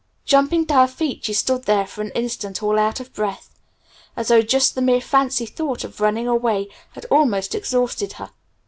_" Jumping to her feet she stood there for an instant all out of breath, as though just the mere fancy thought of running away had almost exhausted her.